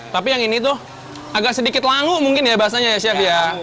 tapi yang ini tuh agak sedikit langu mungkin ya bahasanya ya chef ya